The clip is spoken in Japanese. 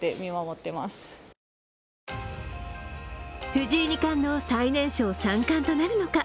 藤井二冠の最年少三冠となるのか。